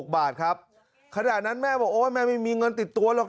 บาทครับขณะนั้นแม่บอกโอ๊ยแม่ไม่มีเงินติดตัวหรอก